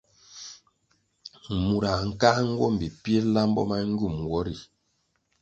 Murãh nkáʼa nguombi pir lambo ma ngywum nwo ri.